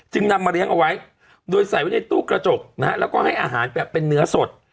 นำมาเลี้ยงเอาไว้โดยใส่ไว้ในตู้กระจกนะฮะแล้วก็ให้อาหารแบบเป็นเนื้อสด